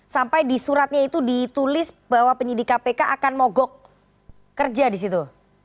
sampai di suratnya itu ditulis bahwa penyidik kpk akan mogok kerja di situ